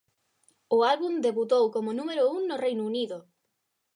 O álbum debutou como número un no Reino Unido.